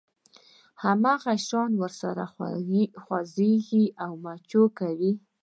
هماغه شان ورسره خوځېږي او مچو کوي.